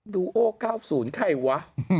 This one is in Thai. ดูโอ๙๐ใครวะ